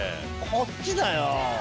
こっちだよ。